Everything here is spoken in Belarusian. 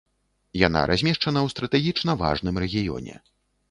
Яна размешчана ў стратэгічна важным рэгіёне.